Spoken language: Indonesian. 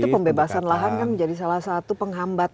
nah itu pembebasan lahan kan menjadi salah satu penghambat